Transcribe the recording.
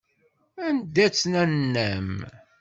Anda-tt nanna-m?